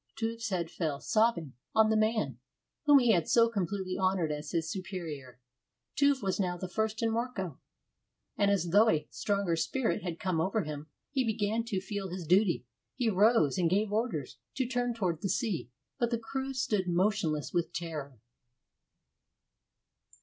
Tuve's head fell, sobbing, on the man whom he had so completely honored as his superior. Tuve was now the first in Mörkö, and as though a stronger spirit had come over him, he began to feel his duty. He rose, and gave orders to turn toward the sea, but the crew stood motionless with terror.